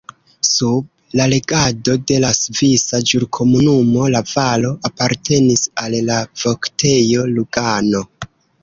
Sub la regado de la Svisa Ĵurkomunumo la valo apartenis al la Voktejo Lugano.